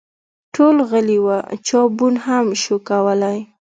ټول غلي وه ، چا بوڼ هم شو کولی !